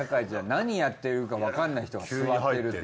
何やってるかわかんない人が座ってるって。